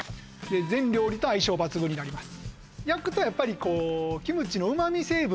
全料理と相性抜群になります